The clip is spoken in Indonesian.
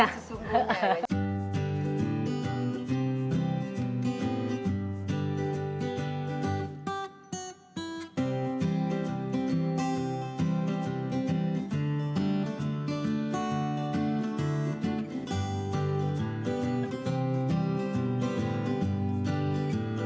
ke kita sesungguhnya